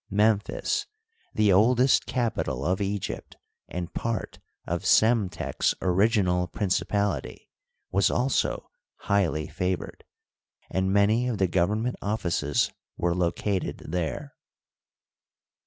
Memphis, the oldest capital of Egypt, and part of Psemtek's original principality, was also highly favored, and many of the government offices were located there.